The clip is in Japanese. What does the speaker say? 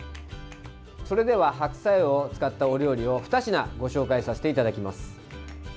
それでは白菜を使ったお料理を２品ご紹介させていただきます。